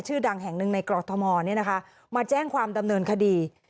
ชื่อดังแห่งหนึ่งในกรทมมาแจ้งความดำเนินคดี